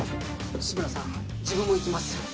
志村さん自分も行きます